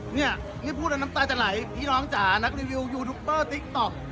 เนี่ยนี่พูดแล้วน้ำตาจะไหลพี่น้องจ๋านักรีวิวยูทูปเบอร์ติ๊กต๊อก